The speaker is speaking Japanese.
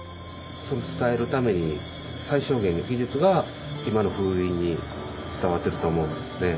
それを伝えるために最小限の技術が今の風鈴に伝わってると思うんですね。